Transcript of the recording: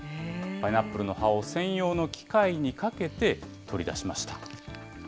パイナップルの葉を専用の機械にかけて、取り出しました。